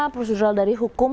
prosedural dari hukum